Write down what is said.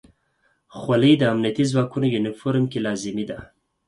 خولۍ د امنیتي ځواکونو یونیفورم کې لازمي ده.